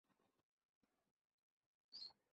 ভাইজান, আমি blueprint check করেই করছি এসব।